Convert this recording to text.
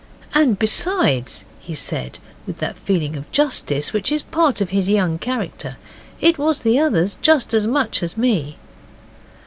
'And besides,' he said, with that feeling of justice which is part of his young character, 'it was the others just as much as me.